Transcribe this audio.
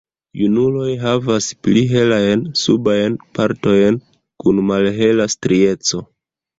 Junuloj havas pli helajn subajn partojn kun malhela strieco.